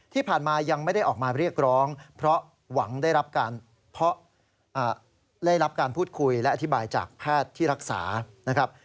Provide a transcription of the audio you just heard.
ที่ผ่านมายังไม่ได้ออกมาเรียกร้องเพราะหวังได้รับการได้รับการพูดคุยและอธิบายจากแพทย์ที่รักษานะครับ